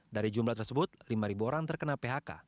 dari jumlah tersebut lima orang terkena phk